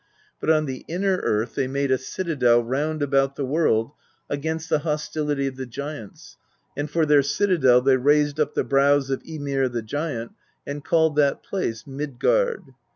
But on the inner earth they made a citadel round about the world against the hostility of the giants, and for their cita del they raised up the brows of Ymir the giant, and called that place Midgard.